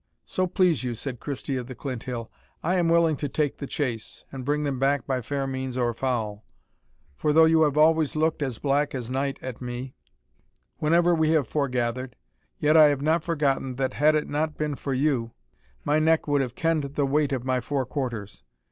"So please you," said Christie of the Clinthill, "I am willing to take the chase, and bring them back by fair means or foul; for though you have always looked as black as night at me, whenever we have forgathered, yet I have not forgotten that had it not been for you, my neck would have kend the weight of my four quarters.